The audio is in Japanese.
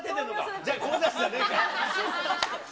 じゃあゴージャスじゃないか。